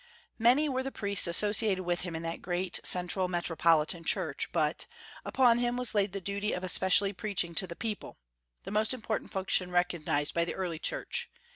Many were the priests associated with him in that great central metropolitan church; "but upon him was laid the duty of especially preaching to the people, the most important function recognized by the early Church.